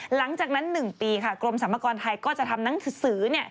หลังจากนั้น๑ปีค่ะกรมสรรพากรไทยก็จะทำหนังสือ